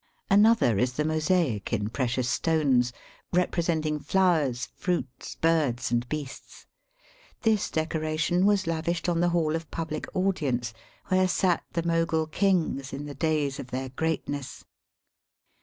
Another is the mosaic in precious stones, representing flowers, fruits, birds, and beasts. This decoration was lavished on the hall of public audience, where sat the Mogul kings in the days of their greatness.